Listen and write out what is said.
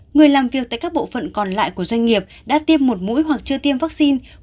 người làm việc tại các bộ phận còn lại của doanh nghiệp đã tiêm một mũi hoặc chưa tiêm vaccine